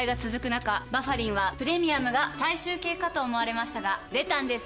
中「バファリン」はプレミアムが最終形かと思われましたが出たんです